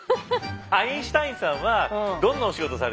アインシュタインさんはどんなお仕事されてんですか？